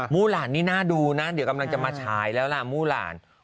มู่หลานนี่น่าดูนะเดี๋ยวกำลังจะมาฉายแล้วล่ะมู่หลาน